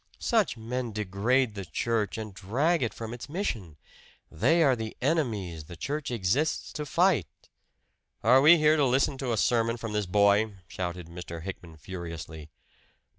Such men degrade the church and drag it from its mission. They are the enemies the church exists to fight " "Are we here to listen to a sermon from this boy?" shouted Mr. Hickman furiously.